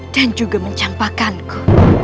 dan juga mencampakanku